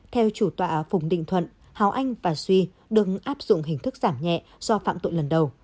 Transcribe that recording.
theo chủ tọa phùng đinh thuận hào anh và duy đừng áp dụng hình thức giảm nhẹ do phạm tội lần đầu